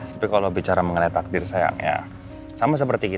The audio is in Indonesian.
tapi kalau bicara mengenai takdir sama tante mayang ya tante mayang tuh bisa bersama